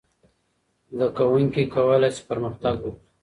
زده کوونکي کولای سي پرمختګ وکړي.